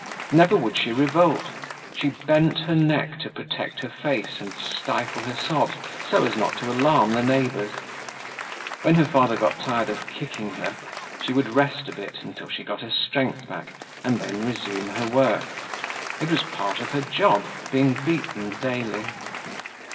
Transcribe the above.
Never would she revolt. She bent her neck to protect her face and stifled her sobs so as not to alarm the neighbors. When her father got tired of kicking her, she would rest a bit until she got her strength back and then resume her work. It was part of her job, being beaten daily.